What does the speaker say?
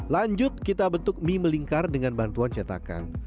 lanjut kita bentuk mie melingkar dengan bantuan cetakan